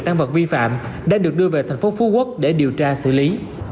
tăng vật vi phạm đã được đưa về thành phố phú quốc để điều tra xử lý